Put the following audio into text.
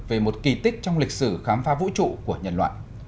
về một kỳ tích trong lịch sử khám phá vũ trụ của nhân loại